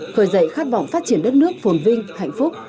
khởi dậy khát vọng phát triển đất nước phồn vinh hạnh phúc